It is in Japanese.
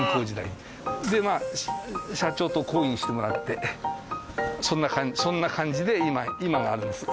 でまあ社長と懇意にしてもらってそんな感じで今があるんです。